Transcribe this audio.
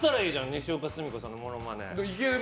にしおかすみこさんのモノマネ。